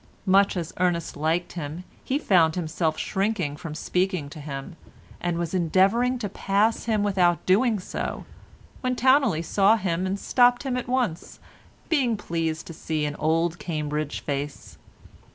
Much as Ernest liked him he found himself shrinking from speaking to him, and was endeavouring to pass him without doing so when Towneley saw him and stopped him at once, being pleased to see an old Cambridge face.